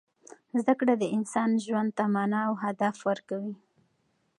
زده کړه د انسان ژوند ته مانا او هدف ورکوي.